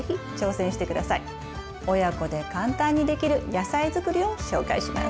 親子で簡単にできる野菜づくりを紹介します。